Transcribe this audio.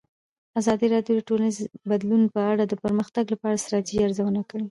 ازادي راډیو د ټولنیز بدلون په اړه د پرمختګ لپاره د ستراتیژۍ ارزونه کړې.